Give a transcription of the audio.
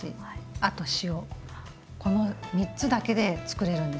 あと塩この３つだけでつくれるんですよ。